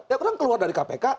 ya orang keluar dari kpk